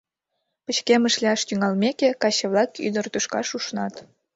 Пычкемыш лияш тӱҥалмеке, каче-влак ӱдыр тӱшкаш ушнат.